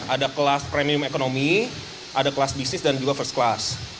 ada kelas premium ekonomi ada kelas bisnis dan juga first class